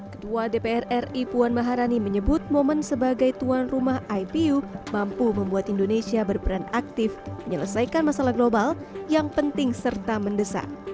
ketua dpr ri puan maharani menyebut momen sebagai tuan rumah ipu mampu membuat indonesia berperan aktif menyelesaikan masalah global yang penting serta mendesak